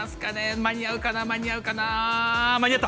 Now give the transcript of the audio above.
間に合うかな、間に合うかな、間に合った。